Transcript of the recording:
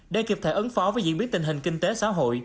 để kịp thể ấn phó với diễn biến tình hình kinh tế xã hội